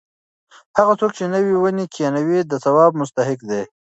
هغه څوک چې نوې ونې کښېنوي د ثواب مستحق دی.